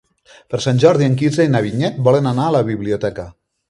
Per Sant Jordi en Quirze i na Vinyet volen anar a la biblioteca.